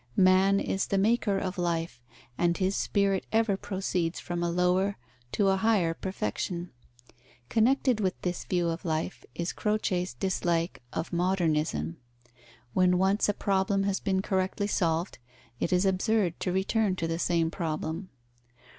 Man is the maker of life, and his spirit ever proceeds from a lower to a higher perfection. Connected with this view of life is Croce's dislike of "Modernism." When once a problem has been correctly solved, it is absurd to return to the same problem.